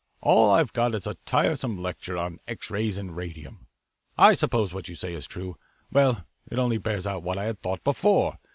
All I've got is a tiresome lecture on X rays and radium. I suppose what you say is true. Well, it only bears out what I thought before.